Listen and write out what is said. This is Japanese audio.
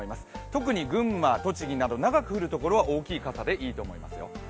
特に群馬、栃木など長く降る所は大きい傘でいいと思いますよ。